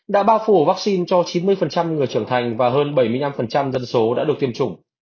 đã bao phủ vaccine cho chín mươi người trưởng thành và hơn bảy mươi năm dân số đã được tiêm chủng